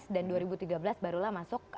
dua ribu tiga belas barulah masuk